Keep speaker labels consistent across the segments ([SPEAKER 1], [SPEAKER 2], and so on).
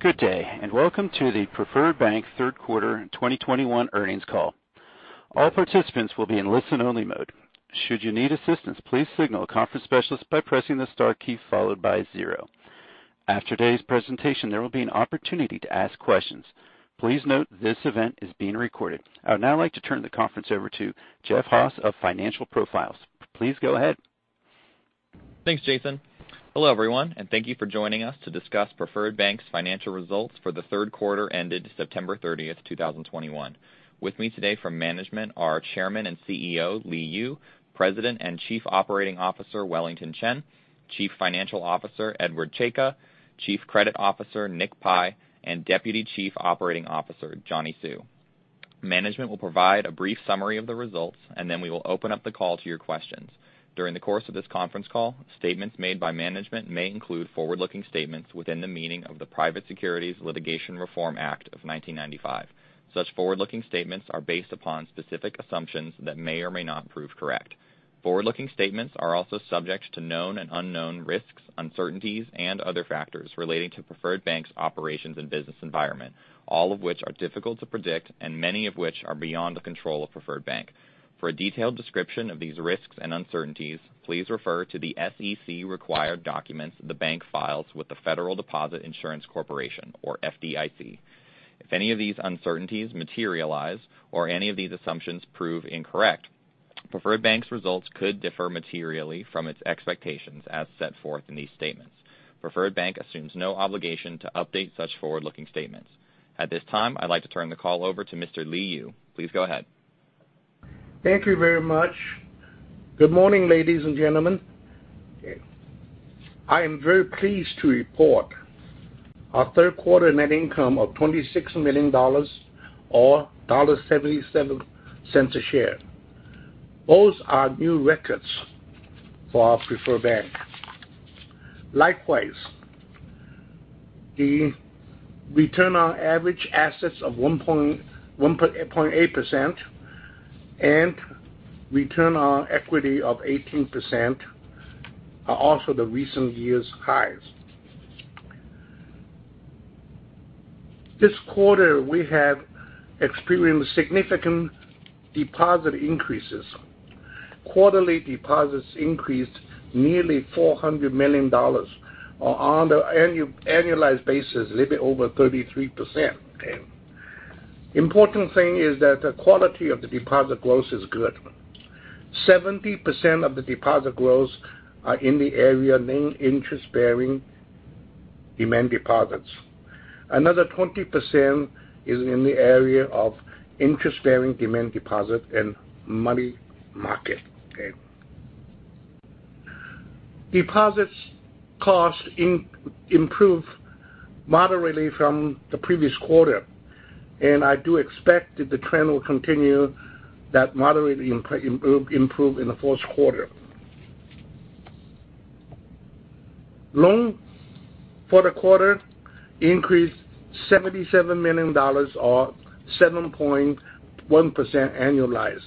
[SPEAKER 1] Good day. Welcome to the Preferred Bank Third Quarter 2021 Earnings Call. All participants will be in listen only mode. Should you need assistance, please signal a conference specialist by pressing the star key followed by zero. After today's presentation, there will be an opportunity to ask questions. Please note this event is being recorded. I would now like to turn the conference over to Jeff Haas of Financial Profiles. Please go ahead.
[SPEAKER 2] Thanks, Jason. Hello, everyone, and thank you for joining us to discuss Preferred Bank's financial results for the third quarter ended 30th September 2021. With me today from management are Chairman and CEO, Li Yu, President and Chief Operating Officer, Wellington Chen, Chief Financial Officer, Edward J. Czajka, Chief Credit Officer, Nick Pi, and Deputy Chief Operating Officer, Johnny Hsu. Management will provide a brief summary of the results, and then we will open up the call to your questions. During the course of this conference call, statements made by management may include forward-looking statements within the meaning of the Private Securities Litigation Reform Act of 1995. Such forward-looking statements are based upon specific assumptions that may or may not prove correct. Forward-looking statements are also subject to known and unknown risks, uncertainties, and other factors relating to Preferred Bank's operations and business environment, all of which are difficult to predict and many of which are beyond the control of Preferred Bank. For a detailed description of these risks and uncertainties, please refer to the SEC required documents the bank files with the Federal Deposit Insurance Corporation, or FDIC. If any of these uncertainties materialize or any of these assumptions prove incorrect, Preferred Bank's results could differ materially from its expectations as set forth in these statements. Preferred Bank assumes no obligation to update such forward-looking statements. At this time, I'd like to turn the call over to Mr. Li Yu. Please go ahead.
[SPEAKER 3] Thank you very much. Good morning, ladies and gentlemen. I am very pleased to report our third quarter net income of $26 million or $1.77 a share. Both are new records for our Preferred Bank. Likewise, the return on average assets of 1.8% and return on equity of 18% are also the recent year's highs. This quarter, we have experienced significant deposit increases. Quarterly deposits increased nearly $400 million, or on the annualized basis, a little bit over 33%. Important thing is that the quality of the deposit growth is good. 70% of the deposit growth are in the area of non-interest-bearing demand deposits. Another 20% is in the area of interest-bearing demand deposit and money market. Deposits cost improved moderately from the previous quarter, and I do expect that the trend will continue that moderate improve in the fourth quarter. Loans for the quarter increased $77 million or 7.1% annualized.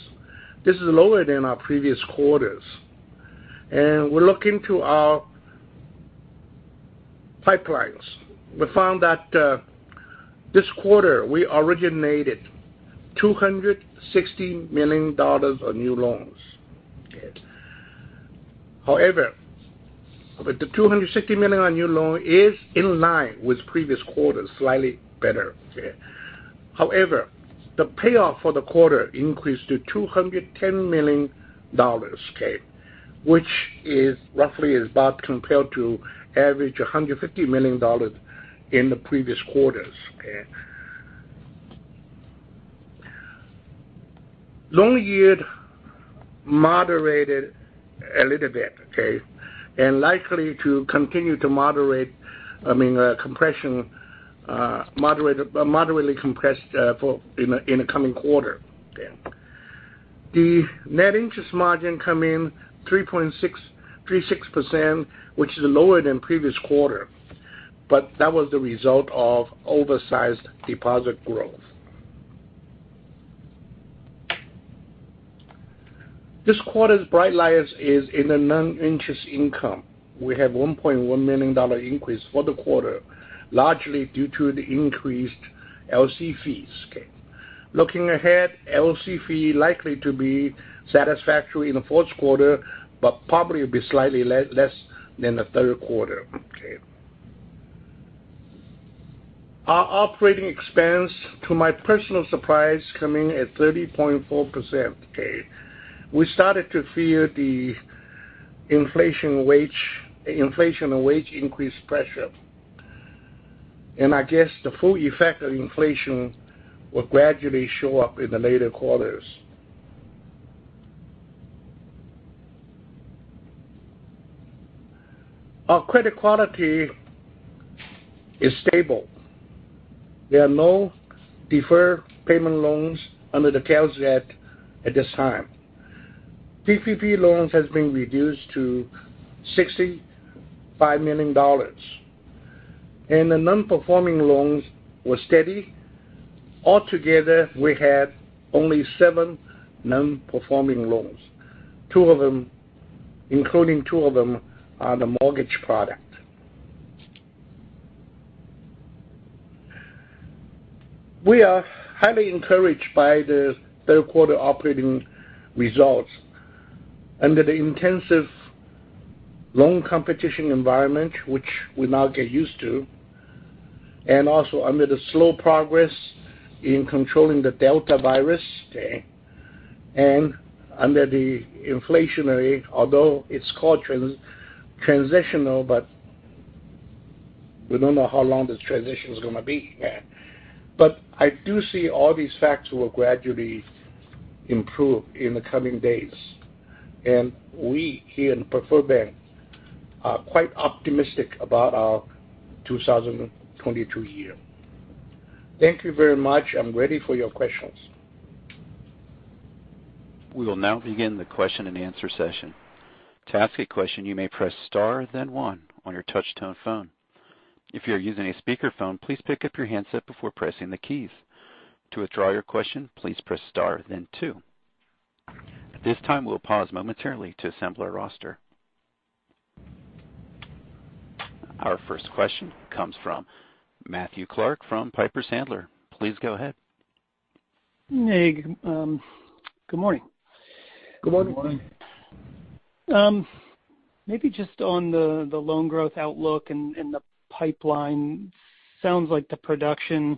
[SPEAKER 3] This is lower than our previous quarters. We look into our pipelines. We found that this quarter we originated $260 million of new loans. The $260 million on new loan is in line with previous quarters, slightly better. The payoff for the quarter increased to $210 million, which is roughly about compared to average $150 million in the previous quarters. Loan yield moderated a little bit and likely to continue to moderately compress in the coming quarter. The net interest margin come in 3.6%, which is lower than previous quarter, but that was the result of oversized deposit growth. This quarter's bright light is in the non-interest income. We have $1.1 million increase for the quarter, largely due to the increased LC fees. Looking ahead, LC fee likely to be satisfactory in the fourth quarter, probably will be slightly less than the third quarter. Our operating expense, to my personal surprise, come in at 30.4%. We started to feel the inflation and wage increase pressure. I guess the full effect of inflation will gradually show up in the later quarters. Our credit quality is stable. There are no deferred payment loans under the CARES Act at this time. PPP loans has been reduced to $65 million. The non-performing loans were steady. Altogether, we had only seven non-performing loans, including two of them are the mortgage product. We are highly encouraged by the third quarter operating results under the intensive loan competition environment, which we now get used to, and also under the slow progress in controlling the Delta virus, and under the inflationary, although it's called transitional, but we don't know how long this transition is going to be. I do see all these facts will gradually improve in the coming days, and we here in Preferred Bank are quite optimistic about our 2022 year. Thank you very much. I'm ready for your questions.
[SPEAKER 1] We will now begin the question-and-answer session. To ask a question, you may press star then one on your touch-tone phone. If you are using a speakerphone, please pick up your handset before pressing the keys. To withdraw your question, please press star then two. At this time, we'll pause momentarily to assemble our roster. Our first question comes from Matthew Clark from Piper Sandler. Please go ahead.
[SPEAKER 4] Hey. Good morning.
[SPEAKER 3] Good morning.
[SPEAKER 4] Maybe just on the loan growth outlook and the pipeline. Sounds like the production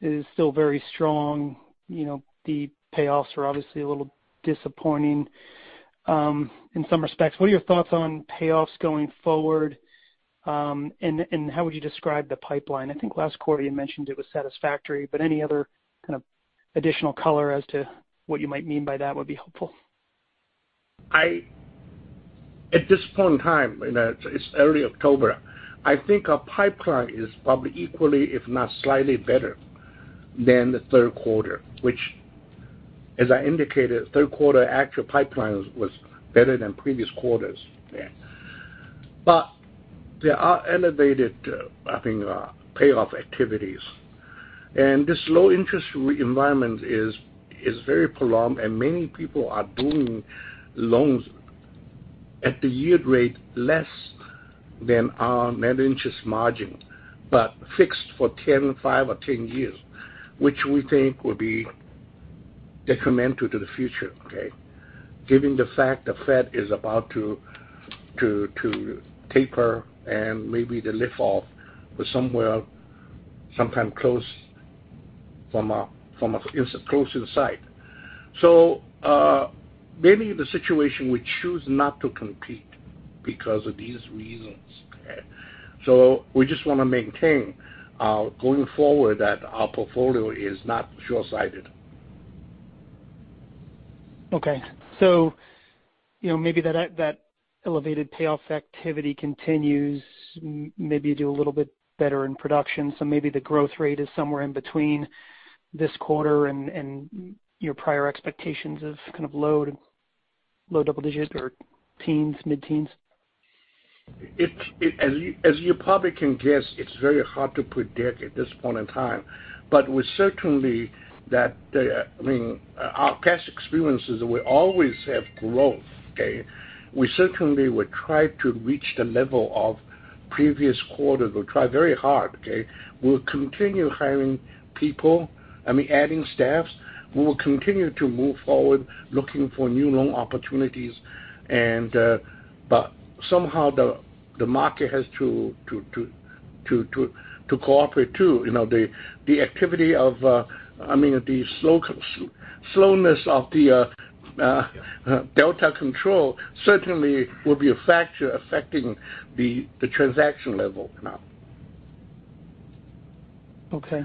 [SPEAKER 4] is still very strong. The payoffs are obviously a little disappointing in some respects. What are your thoughts on payoffs going forward, and how would you describe the pipeline? I think last quarter you mentioned it was satisfactory, but any other kind of additional color as to what you might mean by that would be helpful.
[SPEAKER 3] At this point in time, it's early October, I think our pipeline is probably equally, if not slightly better than the third quarter, which as I indicated, third quarter actual pipeline was better than previous quarters. There are elevated, I think, payoff activities. This low interest environment is very prolonged and many people are doing loans at the yield rate less than our net interest margin, but fixed for five or 10 years, which we think will be detrimental to the future, okay? Given the fact the Fed is about to taper and maybe the lift off is sometime close to the side. Maybe the situation we choose not to compete because of these reasons. We just want to maintain, going forward, that our portfolio is not shortsighted.
[SPEAKER 4] Okay. Maybe that elevated payoff activity continues. Maybe you do a little bit better in production, so maybe the growth rate is somewhere in between this quarter and your prior expectations of kind of low double digits or teens, mid-teens.
[SPEAKER 3] As you probably can guess, it's very hard to predict at this point in time. Our past experiences, we always have growth, okay? We certainly would try to reach the level of previous quarters. We'll try very hard, okay? We'll continue hiring people, I mean, adding staffs. We will continue to move forward looking for new loan opportunities. Somehow the market has to cooperate, too. The slowness of the Delta control certainly will be a factor affecting the transaction level now.
[SPEAKER 4] Okay.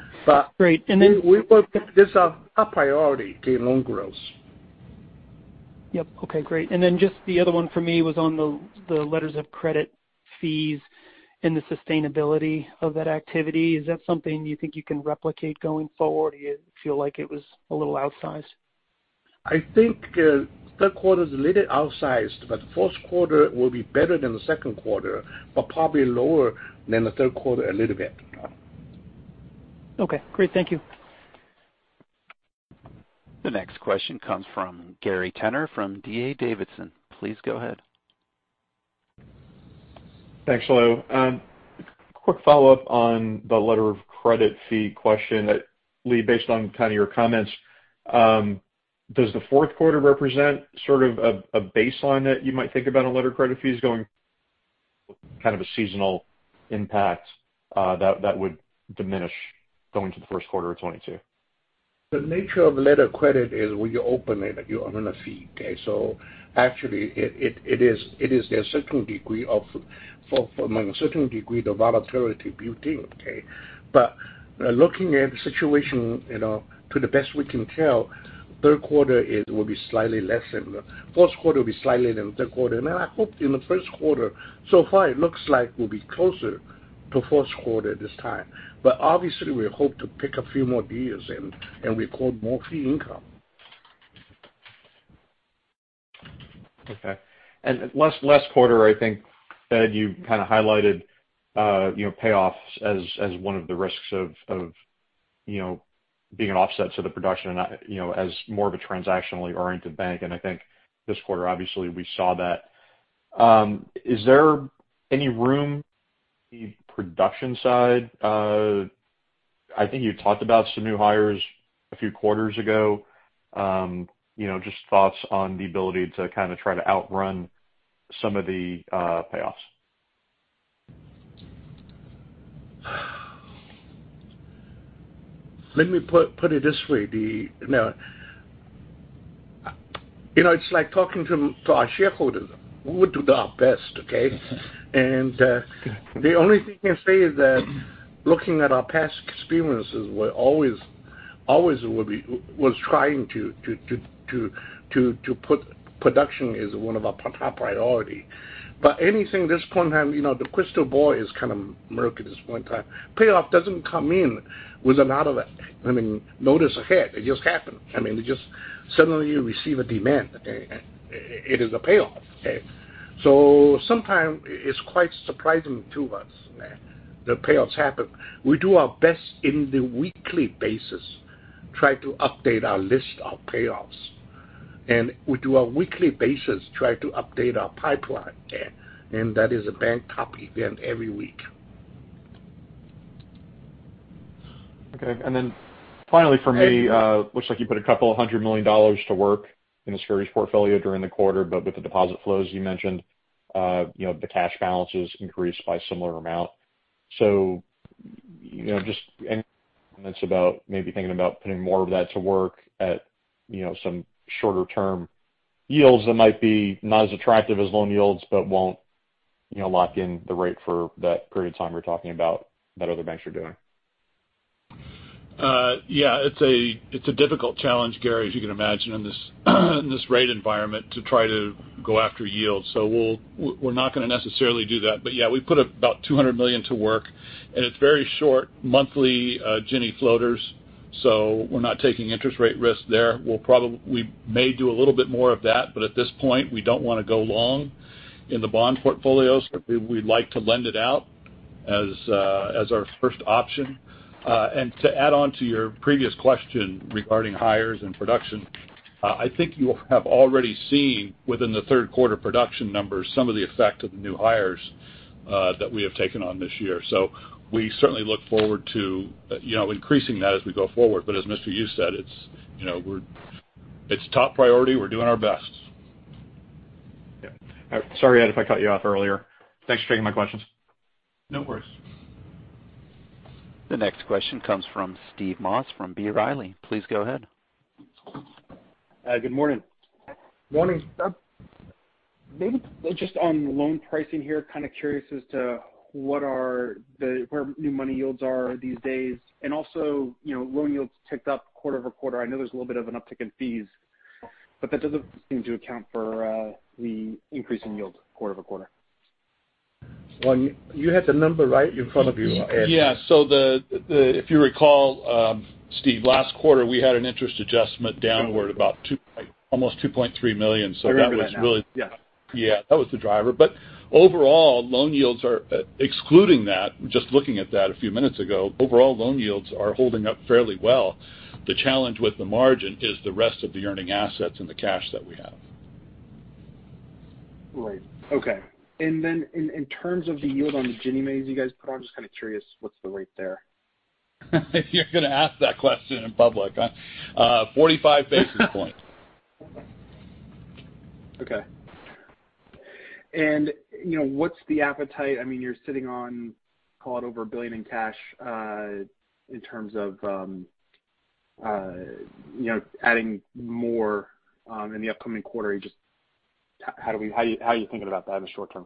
[SPEAKER 4] Great.
[SPEAKER 3] This is our priority, okay? Loan growth.
[SPEAKER 4] Yep. Okay, great. Just the other one for me was on the letters of credit fees and the sustainability of that activity. Is that something you think you can replicate going forward, or you feel like it was a little outsized?
[SPEAKER 3] I think third quarter is a little outsized, but first quarter will be better than the second quarter, but probably lower than the third quarter a little bit.
[SPEAKER 4] Okay, great. Thank you.
[SPEAKER 1] The next question comes from Gary Tenner from D.A. Davidson. Please go ahead.
[SPEAKER 5] Thanks a lot. Quick follow-up on the letter of credit fee question. Li, based on kind of your comments, does the fourth quarter represent sort of a baseline that you might think about on letter credit fees going kind of a seasonal impact that would diminish going to the first quarter of 2022?
[SPEAKER 3] The nature of letter of credit is when you open it, you earn a fee, okay? Actually, it is among a certain degree, the volatility built in, okay? Looking at the situation to the best we can tell, third quarter will be slightly less than fourth quarter will be slightly than third quarter. I hope in the first quarter, so far it looks like we'll be closer to fourth quarter this time. Obviously, we hope to pick a few more deals in, and we record more fee income.
[SPEAKER 5] Okay. Last quarter, I think, Ed, you highlighted payoffs as one of the risks of being an offset to the production as more of a transactionally-oriented bank. I think this quarter, obviously we saw that. Is there any room in the production side? I think you talked about some new hires a few quarters ago. Just thoughts on the ability to try to outrun some of the payoffs.
[SPEAKER 3] Let me put it this way. It's like talking to our shareholders. We will do our best, okay? The only thing I can say is that looking at our past experiences, we're always was trying to put production is one of our top priority. Anything at this point in time, the crystal ball is kind of murky at this point in time. Payoff doesn't come in with a lot of notice ahead. It just happens. I mean, you just suddenly you receive a demand. It is a payoff. Sometimes it's quite surprising to us the payoffs happen. We do our best in the weekly basis, try to update our list of payoffs. We do a weekly basis try to update our pipeline. That is a bank top event every week.
[SPEAKER 5] Okay. Finally for me. looks like you put $200 million to work in the securities portfolio during the quarter, With the deposit flows you mentioned the cash balances increased by similar amount. Just any comments about maybe thinking about putting more of that to work at some shorter term yields that might be not as attractive as loan yields but won't lock in the rate for that period of time we're talking about that other banks are doing?
[SPEAKER 6] Yeah, it's a difficult challenge, Gary, as you can imagine in this rate environment to try to go after yield. We're not going to necessarily do that. Yeah, we put about $200 million to work, and it's very short monthly Ginnie floaters. We're not taking interest rate risk there. We may do a little bit more of that, but at this point, we don't want to go long in the bond portfolio, so we'd like to lend it out as our first option. To add on to your previous question regarding hires and production, I think you have already seen within the third quarter production numbers some of the effect of the new hires that we have taken on this year. We certainly look forward to increasing that as we go forward. As Mr. Yu said, it's top priority. We're doing our best.
[SPEAKER 5] Yeah. Sorry, Ed, if I cut you off earlier. Thanks for taking my questions.
[SPEAKER 6] No worries.
[SPEAKER 1] The next question comes from Steve Moss from B. Riley. Please go ahead.
[SPEAKER 7] Good morning.
[SPEAKER 6] Morning, Steve.
[SPEAKER 7] Maybe just on loan pricing here, kind of curious as to where new money yields are these days. Also, loan yields ticked up quarter-over-quarter. I know there's a little bit of an uptick in fees, but that doesn't seem to account for the increase in yield quarter-over-quarter.
[SPEAKER 3] Well, you had the number right in front of you, Ed.
[SPEAKER 6] Yeah. If you recall, Steve, last quarter, we had an interest adjustment downward about almost $2.3 million.
[SPEAKER 7] I remember that now. Yeah.
[SPEAKER 6] Yeah, that was the driver. Excluding that, just looking at that a few minutes ago, overall loan yields are holding up fairly well. The challenge with the margin is the rest of the earning assets and the cash that we have.
[SPEAKER 7] Right. Okay. Then in terms of the yield on the Ginnie Maes you guys put on, just kind of curious what's the rate there?
[SPEAKER 6] You're going to ask that question in public, huh? 45 basis points.
[SPEAKER 7] Okay. What's the appetite? You're sitting on call it over $1 billion in cash, in terms of adding more in the upcoming quarter. How are you thinking about that in the short term?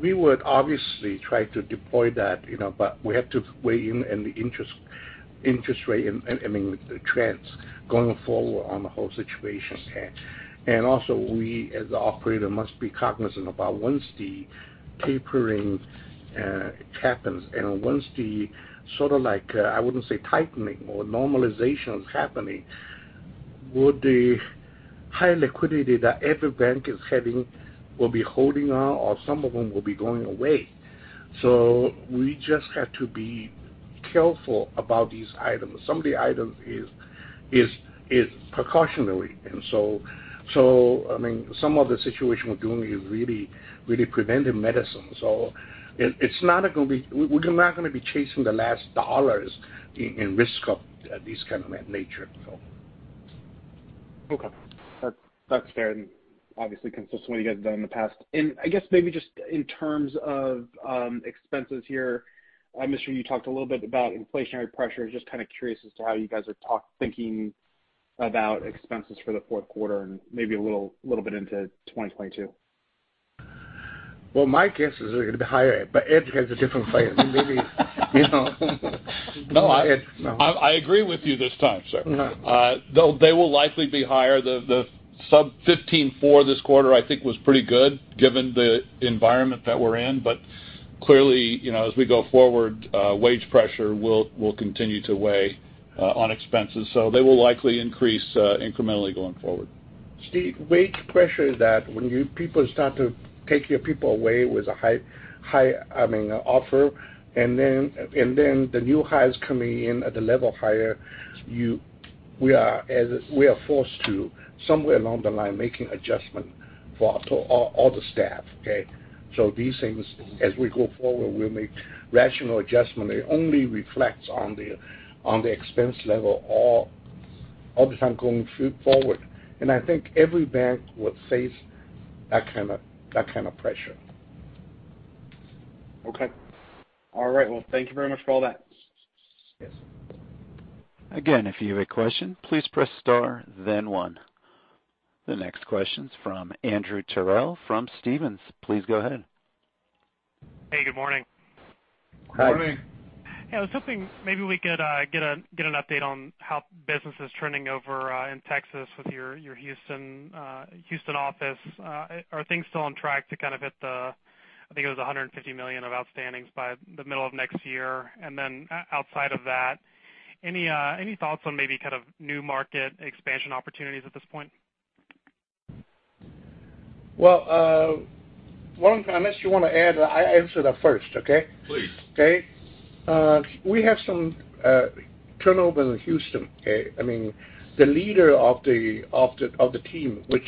[SPEAKER 3] We would obviously try to deploy that, but we have to weigh in the interest rate and the trends going forward on the whole situation. Also we, as the operator, must be cognizant about once the tapering happens and once the sort of like, I wouldn't say tightening or normalization is happening, would the high liquidity that every bank is having will be holding on or some of them will be going away. We just have to be careful about these items. Some of the items is precautionary. Some of the situation we're doing is really preventive medicine. We're not going to be chasing the last dollars in risk of this kind of nature.
[SPEAKER 7] Okay. That's fair and obviously consistent with what you guys have done in the past. I guess maybe just in terms of expenses here, Mr. Yu talked a little bit about inflationary pressures. Just kind of curious as to how you guys are thinking about expenses for the fourth quarter and maybe a little bit into 2022.
[SPEAKER 3] Well, my guess is they're going to be higher, but Ed has a different plan. You know. No, Ed.
[SPEAKER 6] No. I agree with you this time, sir.
[SPEAKER 7] All right.
[SPEAKER 6] They will likely be higher. The sub 15 for this quarter, I think was pretty good given the environment that we're in. Clearly, as we go forward, wage pressure will continue to weigh on expenses, so they will likely increase incrementally going forward.
[SPEAKER 3] Steve, wage pressure is that when people start to take your people away with a higher offer, and then the new hires coming in at a level higher, we are forced to, somewhere along the line, making adjustment for all the staff, okay? These things, as we go forward, we'll make rational adjustment. It only reflects on the expense level all the time going forward. I think every bank will face that kind of pressure.
[SPEAKER 7] Okay. All right. Well, thank you very much for all that.
[SPEAKER 3] Yes.
[SPEAKER 1] Again, if you have a question, please press star then one. The next question's from Andrew Terrell from Stephens. Please go ahead.
[SPEAKER 8] Hey, good morning.
[SPEAKER 3] Hi. Good morning.
[SPEAKER 8] I was hoping maybe we could get an update on how business is trending over in Texas with your Houston office. Are things still on track to hit the, I think it was $150 million of outstandings by the middle of next year? Outside of that, any thoughts on maybe new market expansion opportunities at this point?
[SPEAKER 3] Well, Wellington, unless you want to add, I answer that first, okay?
[SPEAKER 9] Please.
[SPEAKER 3] Okay. We have some turnover in Houston, okay? The leader of the team, which,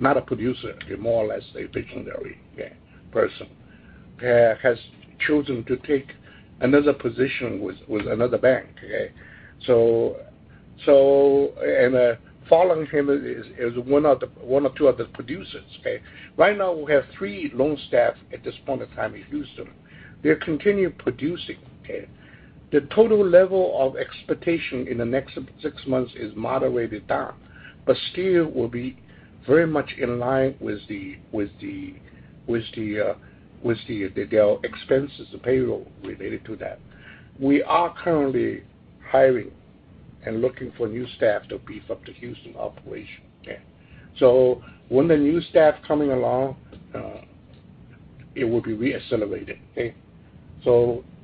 [SPEAKER 3] not a producer, more or less a visionary person, has chosen to take another position with another bank, okay? Following him is one or two other producers, okay? Right now, we have three loan staff at this point of time in Houston. They continue producing, okay? The total level of expectation in the next six months is moderated down, but still will be very much in line with their expenses, the payroll related to that. We are currently hiring and looking for new staff to beef up the Houston operation, okay? When the new staff coming along, it will be re-accelerated, okay?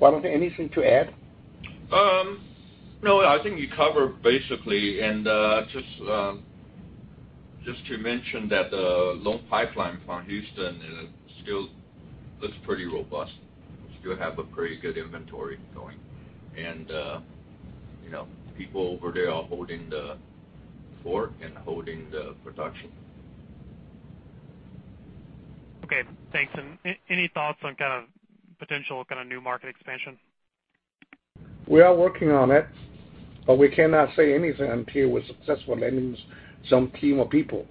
[SPEAKER 3] Wellington, anything to add?
[SPEAKER 9] No, I think you covered basically, and just to mention that the loan pipeline from Houston still looks pretty robust. We still have a pretty good inventory going. People over there are holding the fort and holding the production.
[SPEAKER 8] Okay, thanks. Any thoughts on potential new market expansion?
[SPEAKER 3] We are working on it, we cannot say anything until we successfully land some team of people.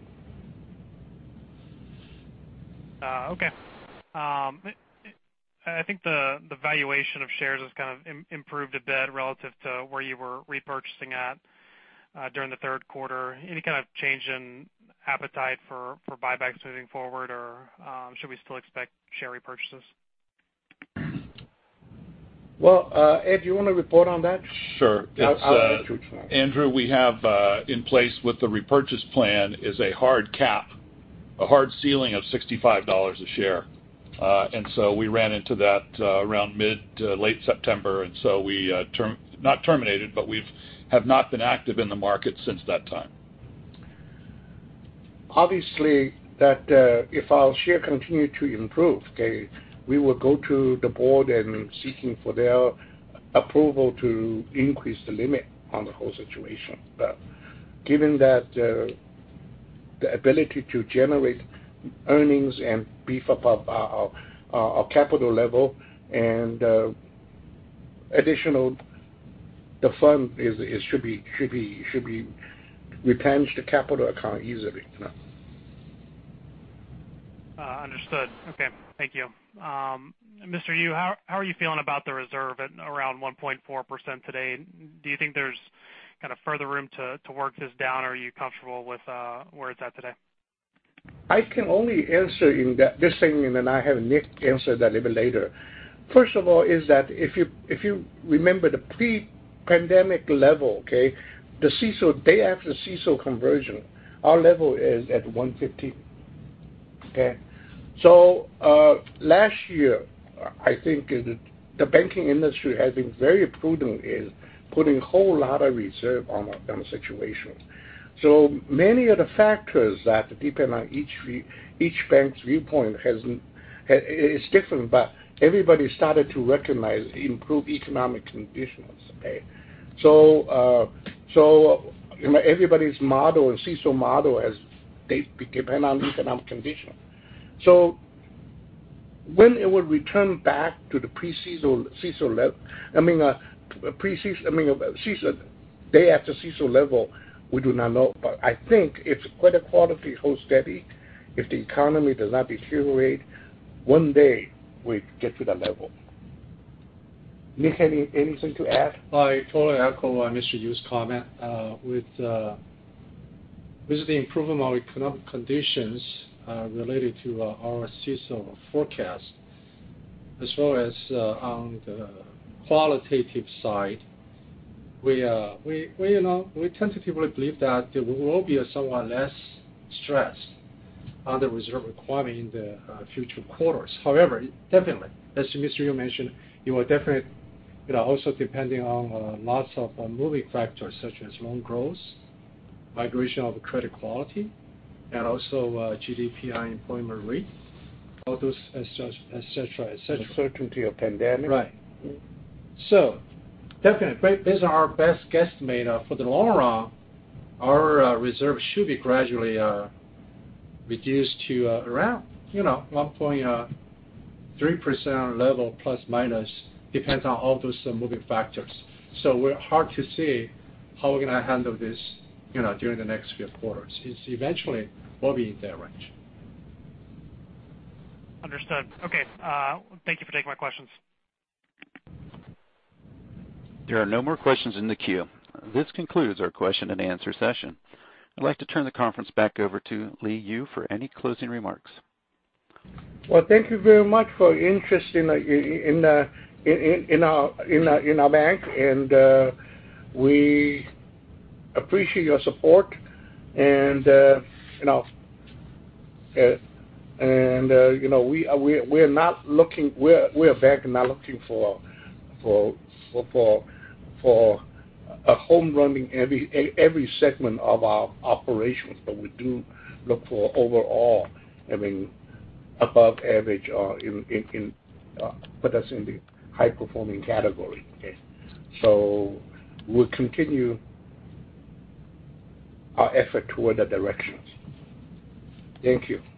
[SPEAKER 8] Okay. I think the valuation of shares has kind of improved a bit relative to where you were repurchasing at during the third quarter. Any kind of change in appetite for buybacks moving forward? Or should we still expect share repurchases?
[SPEAKER 3] Well, Ed, you want to report on that?
[SPEAKER 6] Sure.
[SPEAKER 3] I'll let you choose one.
[SPEAKER 6] Andrew, we have in place with the repurchase plan is a hard cap, a hard ceiling of $65 a share. We ran into that around mid to late September, and so we, not terminated, but we have not been active in the market since that time.
[SPEAKER 3] Obviously, if our share continue to improve, okay, we will go to the Board and seeking for their approval to increase the limit on the whole situation. Given that the ability to generate earnings and beef up our capital level and additional fund should replenish the capital account easily.
[SPEAKER 8] Understood. Okay. Thank you. Mr. Yu, how are you feeling about the reserve at around 1.4% today? Do you think there's further room to work this down, or are you comfortable with where it's at today?
[SPEAKER 3] I can only answer this thing, and then I have Nick answer that a bit later. If you remember the pre-pandemic level, the day after CECL conversion, our level is at 150. Last year, I think the banking industry has been very prudent in putting whole lot of reserve on the situations. Many of the factors that depend on each bank's viewpoint is different, but everybody started to recognize improved economic conditions. Everybody's model and CECL model, they depend on economic condition. When it will return back to the day after CECL level, we do not know. I think if credit quality holds steady, if the economy does not deteriorate, one day we get to that level. Nick, anything to add?
[SPEAKER 10] I totally echo Mr. Yu's comment. With the improvement of economic conditions related to our CECL forecast, as well as on the qualitative side, we tentatively believe that there will be a somewhat less stress on the reserve requirement in the future quarters. However, definitely, as Mr. Yu mentioned, you are definitely also depending on lots of moving factors such as loan growth, migration of credit quality, and also GDP employment rate, all those, et cetera.
[SPEAKER 3] Certainty of pandemic.
[SPEAKER 10] Right. Definitely, based on our best guesstimate for the long run, our reserve should be gradually reduced to around 1.3% level, plus minus, depends on all those moving factors. We're hard to say how we're going to handle this during the next few quarters. Eventually, we'll be in that range.
[SPEAKER 8] Understood. Okay. Thank you for taking my questions.
[SPEAKER 1] There are no more questions in the queue. This concludes our question-and-answer session. I'd like to turn the conference back over to Li Yu for any closing remarks.
[SPEAKER 3] Well, thank you very much for your interest in our bank, and we appreciate your support. We are back now looking for a home run in every segment of our operations, but we do look for overall above average in put us in the high performing category, okay. We'll continue our effort toward that directions. Thank you.